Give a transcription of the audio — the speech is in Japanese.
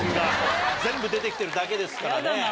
全部出て来てるだけですからね。